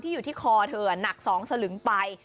ที่อยู่ขอนัก๒สลึงไป